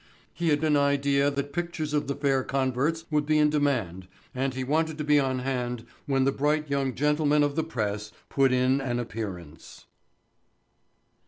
He had an idea that pictures of the fair converts would be in demand and he wanted to be on hand when the bright young gentlemen of the press put in an appearance.